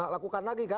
lakukan lagi kan